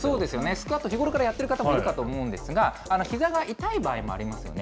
スクワット、日頃からやってる方もいるかと思うんですが、ひざが痛い場合もありますよね。